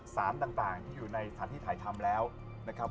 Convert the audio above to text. สารต่างที่อยู่ในสถานที่ถ่ายทำแล้วนะครับ